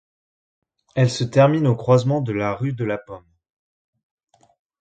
Elle se termine au croisement de la rue de la Pomme.